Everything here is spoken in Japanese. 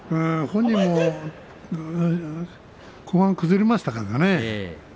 本人も後半崩れましたからね。